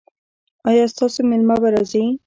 ایا ستاسو میلمه به راځي؟